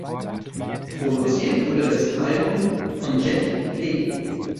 Produziert wurde das Album von Jack Key.